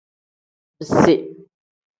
Bisi.